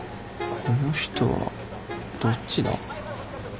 この人はどっちだ？